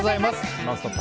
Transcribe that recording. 「ノンストップ！」